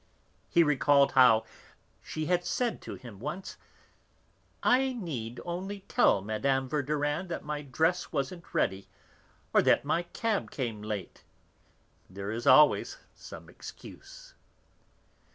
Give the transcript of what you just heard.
He recalled how she had said to him once: "I need only tell Mme. Verdurin that my dress wasn't ready, or that my cab came late. There is always some excuse."